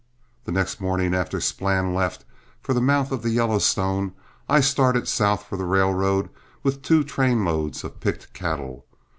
The next morning after Splann left for the mouth of the Yellowstone, I started south for the railroad with two train loads of picked cattle.